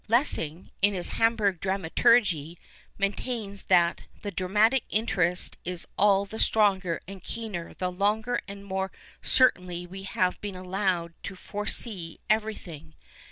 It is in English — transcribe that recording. Lcssinf^, in his " Hani})nrp[ Drama turgy," maintains that " the dramatic interest is all the stronger and keener the longer and more cer tainly we have been allowed to foresee everything."